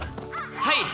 はい。